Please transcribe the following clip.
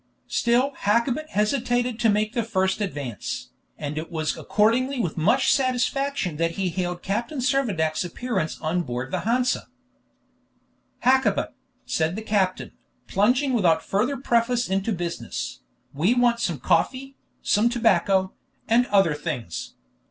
Still Hakkabut hesitated to make the first advance, and it was accordingly with much satisfaction that he hailed Captain Servadac's appearance on board the Hansa. "Hakkabut," said the captain, plunging without further preface into business, "we want some coffee, some tobacco, and other things.